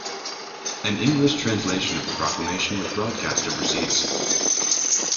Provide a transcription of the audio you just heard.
An English translation of the proclamation was broadcast overseas.